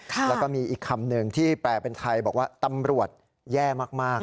แล้วก็มีอีกคำหนึ่งที่แปลเป็นไทยบอกว่าตำรวจแย่มาก